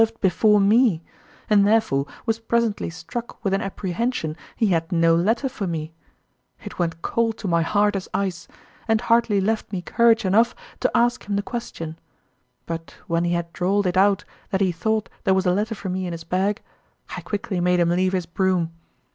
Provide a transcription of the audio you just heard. I could not imagine him so very a beast as to think his horses were to be serv'd before me, and therefore was presently struck with an apprehension he had no letter for me: it went cold to my heart as ice, and hardly left me courage enough to ask him the question; but when he had drawled it out that he thought there was a letter for me in his bag, I quickly made him leave his broom.